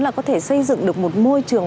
là có thể xây dựng được một môi trường